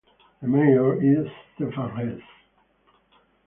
The mayor is Stephan Hesse.